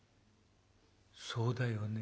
「そうだよね。